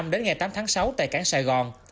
đến ngày tám tháng sáu tại cảng sài gòn